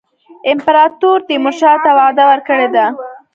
امپراطور تیمورشاه ته وعده ورکړې ده.